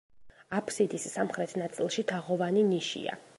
აფსიდის სამხრეთ ნაწილში თაღოვანი ნიშია.